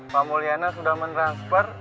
pak mulyana sudah men transfer